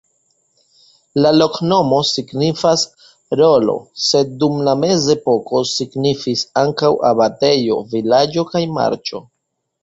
La loknomo signifas: rolo, sed dum la mezepoko signifis ankaŭ abatejo, vilaĝo kaj marĉo.